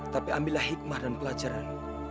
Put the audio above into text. tapi ambillah hikmah dan pelajaran